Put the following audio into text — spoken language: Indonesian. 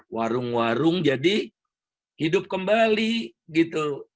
warung warung jadi hidup kembali gitu